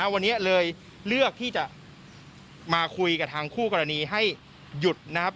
วันนี้เลยเลือกที่จะมาคุยกับทางคู่กรณีให้หยุดนะครับ